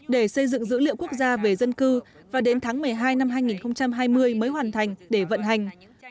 để xây dựng dữ liệu quốc gia về dân cư và đến tháng một mươi hai năm hai nghìn hai mươi mới hoàn thành để vận hành